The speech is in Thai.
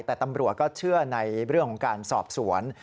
แต่ตำรวจก็เชื่อในเรื่องของการสอบสวน